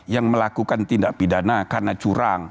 yang melakukan tindak pidana karena curang